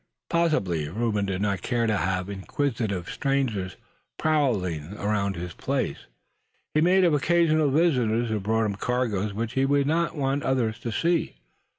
Possibly Reuben did not care to have inquisitive strangers prowling about his place. He may have occasional visitors, who brought cargoes which he would not want other eyes to see.